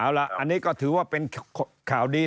เอาล่ะอันนี้ก็ถือว่าเป็นข่าวดี